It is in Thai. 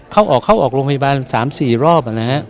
เราก็จะเข้าออกโรงพยาบาล๓๔รอบนะฮะ